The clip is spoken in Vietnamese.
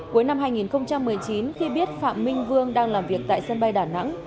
cuối năm hai nghìn một mươi chín khi biết phạm minh vương đang làm việc tại sân bay đà nẵng